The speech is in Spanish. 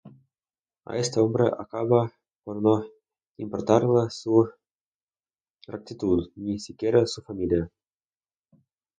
A este hombre acaba por no importarle su rectitud, ni siquiera su familia.